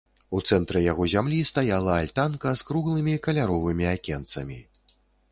У цэнтры яго зямлі стаяла альтанка з круглымі каляровымі акенцамі.